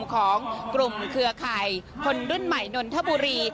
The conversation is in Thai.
ของกลุ่มเครือข่ายคนรุ่นใหม่นนทบุรี